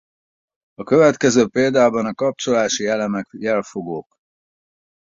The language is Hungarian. A következő példában a kapcsolási elemek jelfogók.